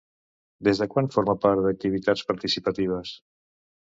Des de quan forma part d'activitats participatives?